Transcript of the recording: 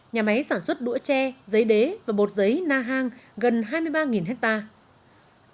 nhà máy sản xuất đũa tre giấy đế và bột giấy na hang gần hai mươi ba hectare